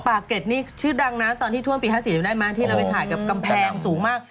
เก็ตนี่ชื่อดังนะตอนที่ท่วมปี๕๔จำได้ไหมที่เราไปถ่ายกับกำแพงสูงมาก